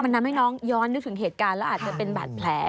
มันทำให้น้องย้อนนึกถึงเหตุการณ์แล้วอาจจะเป็นบาดแผล